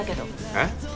えっ？